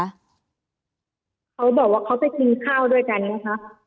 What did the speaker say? เขาบอกว่าเขาไปกินข้าวด้วยกันไหมคะ